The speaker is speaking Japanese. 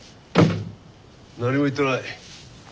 何も言ってない。